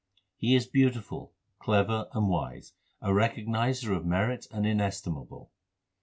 He is beautiful, clever, and wise, a Recognizer of merit and inestimable.